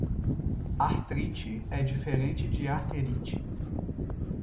Artrite é diferente de Arterite